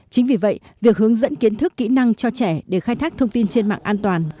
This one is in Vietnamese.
chính vì vậy việc hướng dẫn kiến thức kỹ năng cho trẻ để khai thác thông tin trên mạng an toàn